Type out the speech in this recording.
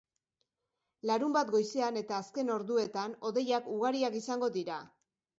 Larunbat goizean eta azken orduetan hodeiak ugariak izango dira.